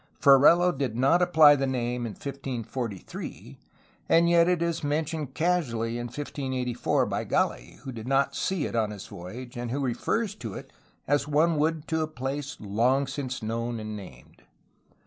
Ferrelo did not apply the name in 1543, and yet it is mentioned casually in 1584 by Gali, who did not see it on his voyage and who refers to it as one would to a place long since known and named.